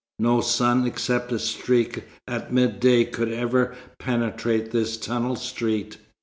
No sun, except a streak at midday, could ever penetrate this tunnel street.